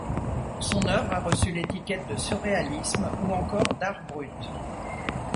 Son œuvre a reçu l'étiquette de surréalisme ou encore d'art brut.